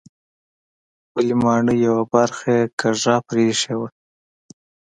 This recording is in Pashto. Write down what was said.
خپلې ماڼۍ یوه برخه یې کږه پرېښې وه.